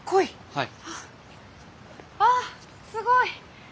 はい。